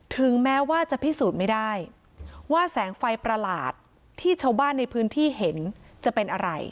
ถึงแม้ว่าจะพิสูจน์ไม่ได้ว่าแสงไฟประหลาดที่ชาวบ้านในพื้นที่เห็นจะเป็นอะไร